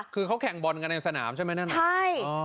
คือเขาแข่งบอลในสนามใช่ไหมนั่นหรืออ๋อใช่